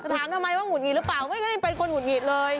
ถามทำไมว่าหุดหงิดหรือเปล่าไม่ได้เป็นคนหุดหงิดเลย